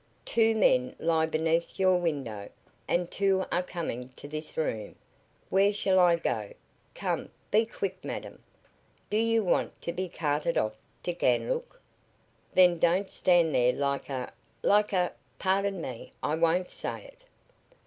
"Two men lie beneath your window, and two are coming to this room. Where shall I go? Come, be quick, madam! Do you want to be carted off to Ganlook? Then don't stand there like a like a pardon me, I won't say it."